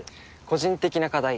個人的な課題